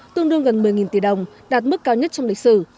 tương đương gần một mươi tỷ đồng đạt mức cao nhất trong lịch sử